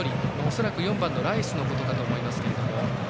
恐らく４番のライスのことかと思いますけれども。